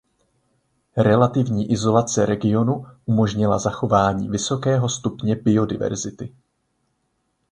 Relativní izolace regionu umožnila zachování vysokého stupně biodiverzity.